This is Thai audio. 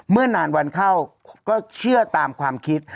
เมื่อนานวันเข้าก็เชื่อตามความคิด